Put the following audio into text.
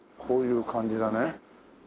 こういう感じだね。